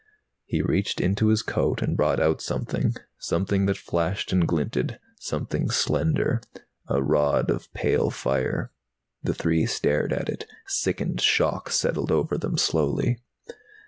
He reached into his coat and brought out something. Something that flashed and glinted, something slender. A rod of pale fire. The three stared at it. Sickened shock settled over them slowly.